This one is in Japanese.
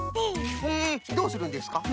へえどうするんですか？